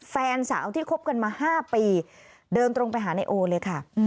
แฟนสาวที่คบกันมา๕ปีเดินตรงไปหานายโอเลยค่ะ